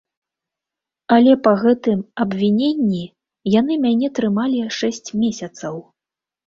Але па гэтым абвіненні яны мяне трымалі шэсць месяцаў.